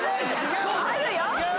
あるよ！